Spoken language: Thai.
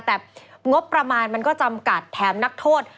แต่งบประมาณมันก็จำกัดแถมนักโทษ